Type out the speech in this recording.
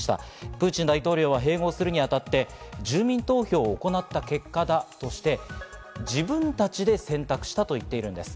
プーチン大統領は併合するにあたって住民投票を行った結果だとして、自分たちで選択したと言っているんです。